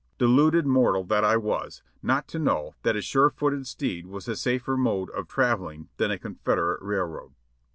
De luded mortal that I was, not to know that a sure footed steed was a safer mode of traveling than a Confederate railroad.